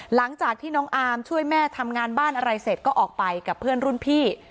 หลังจากที่น้องอาร์มช่วยแม่ทำงานบ้านอะไรเสร็จก็ออกไปกับเพื่อนรุ่นพี่